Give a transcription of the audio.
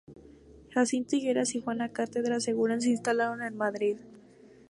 Jacinto Higueras y Juana Cátedra Segura se instalaron en Madrid.